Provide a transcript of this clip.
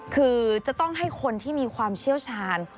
คือจะต้องให้คนที่มีความเชี่ยวชาญ